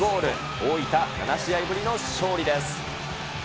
大分、７試合ぶりの勝利です。